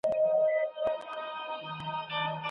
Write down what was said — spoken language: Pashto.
که زړونه قانع نه سي، نکاح مه تړئ.